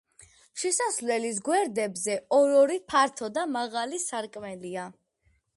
შესასვლელის გვერდებზე ორ-ორი ფართო და მაღალი სარკმელია.